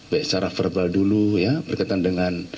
baik secara verbal dulu ya berkaitan dengan